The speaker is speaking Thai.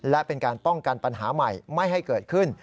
และเป็นการป้องกันปัญหาใหม่ไม่ให้เกิดขึ้น